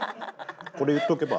これ言っとけば。